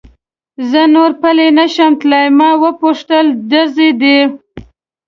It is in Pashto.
زه نور پلی نه شم تلای، ما و پوښتل: ډزې دي؟